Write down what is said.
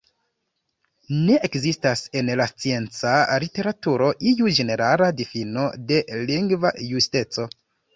Ne ekzistas en la scienca literaturo iu ĝenerala difino de 'lingva justeco'.